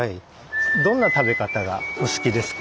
どんな食べ方がお好きですか？